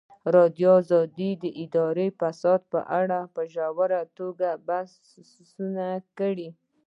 ازادي راډیو د اداري فساد په اړه په ژوره توګه بحثونه کړي.